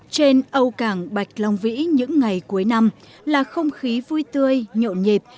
trên âu cảng bạch long vĩ những ngày cuối năm là không khí vui tươi nhộn nhịp